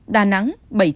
đà nẵng bảy trăm tám mươi ba